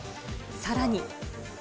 さらに。